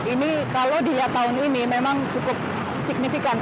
ini kalau dilihat tahun ini memang cukup signifikan